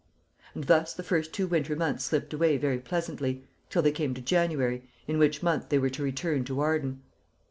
And thus the first two winter months slipped away very pleasantly, till they came to January, in which month they were to return to Arden.